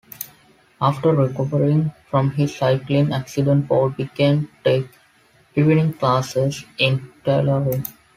After recovering from his cycling accident Paul began to take evening classes in tailoring.